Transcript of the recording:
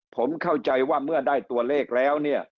ผมเข้าใจว่าเมื่อได้ตัวเลขแล้วเนี่ย